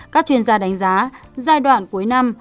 các chuyên gia đánh giá giai đoạn cuối năm